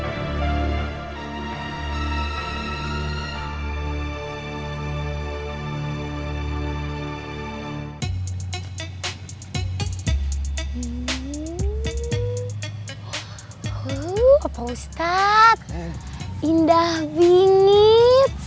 apa itu mahasiswa sejahat